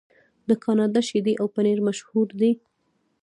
د کاناډا شیدې او پنیر مشهور دي.